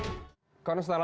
tim liputan syedna indonesia